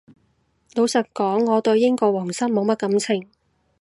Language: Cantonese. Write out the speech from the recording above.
老實講我對英國皇室冇乜感情